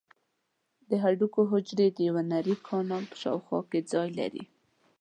د هډوکو حجرې د یو نري کانال په شاوخوا کې ځای لري.